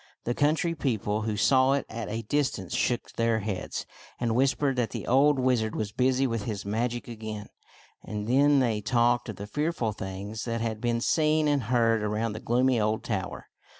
The country people who saw it at a distance shook their FRIAR BACON AND THE BRAZEN HEAD 71 heads, and whispered that the old wizard was busy with his magic again. And then they talked of the fearful things that had been seen and heard around the gloomy old tower.